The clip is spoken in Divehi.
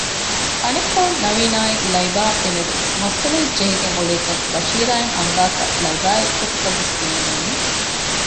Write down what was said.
އަނެއްކޮޅުން ނަވީނާއި ލައިބާ ދެމެދު މައްސަލައެއް ޖެހިގެން އުޅޭކަން ބަޝީރާއަށް އަންގާކަށް ލައިބާއެއް ގޮތަކަށްވެސް ބޭނުމެއް ނޫން